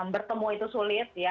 bertemu itu sulit